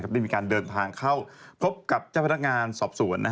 ได้มีการเดินทางเข้าพบกับเจ้าพนักงานสอบสวน